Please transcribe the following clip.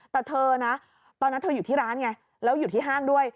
แต่เธอนะตอนนั้นเธออยู่ที่ร้านไงแล้วอยู่ที่ห้างด้วย